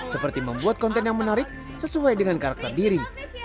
seperti membuat konten yang menarik sesuai dengan karakter diri